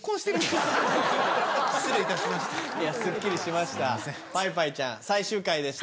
すっきりしました。